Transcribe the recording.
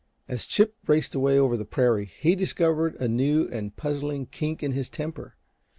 As Chip raced away over the prairie, he discovered a new and puzzling kink in his temper.